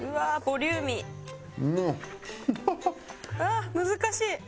あっ難しい。